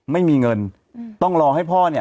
ไม่มีเงินต้องรอให้พ่อเนี่ย